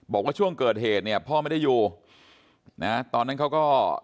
บอกว่าช่วงเกิดเหตุเนี่ยพ่อไม่ได้อยู่นะตอนนั้นเขาก็